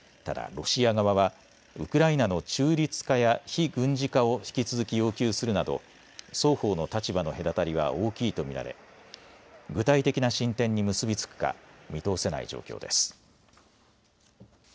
ただロシア側はウクライナの中立化や非軍事化を引き続き要求するなど双方の立場の隔たりは大きいと見られ具体的な進展に結び付くか見通せない状況です。